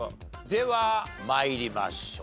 では参りましょう。